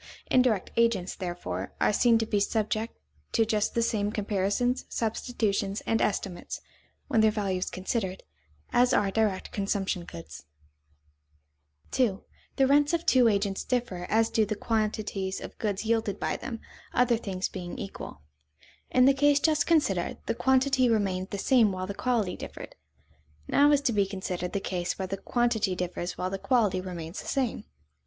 Indirect agents, therefore, are seen to be subject to just the same comparisons, substitutions, and estimates, when their value is considered, as are direct consumption goods. [Sidenote: Differential advantage of agents in the amount of their products] 2. The rents of two agents differ as do the quantities of goods yielded by them, other things being equal. In the case just considered, the quantity remained the same while the quality differed; now is to be considered the case where the quantity differs while the quality remains the same.